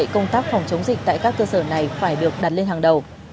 công tác phòng chống dịch tại các cơ sở này phải được đặt lên hàng đầu